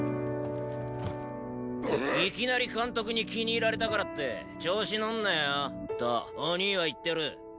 いきなり監督に気に入られたからって調子のんなよ。とお兄は言ってる。